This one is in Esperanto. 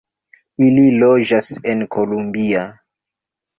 Ili loĝas en Columbia.